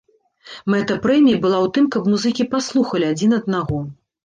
Мэта прэміі была ў тым, каб музыкі паслухалі адзін аднаго.